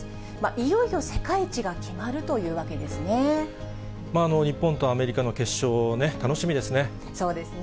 いよいよ世界一が決まるというわ日本とアメリカの決勝ね、そうですね。